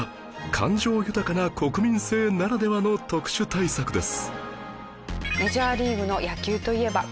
感情豊かな国民性ならではの特殊対策です